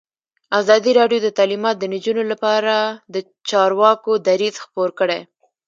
ازادي راډیو د تعلیمات د نجونو لپاره لپاره د چارواکو دریځ خپور کړی.